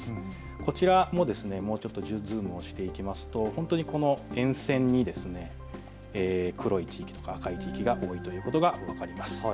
こちらもズームをしていきますとこの沿線に黒い地域とか赤い地域が多いことが分かります。